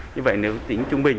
như vậy nếu tính trung bình